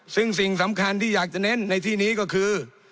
ซึ่งสิ่งสำคัญที่อยากจะเน้นในที่นี้ก็คือ